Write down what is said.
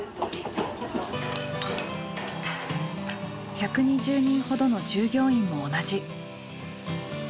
１２０人ほどの従業員も同じ。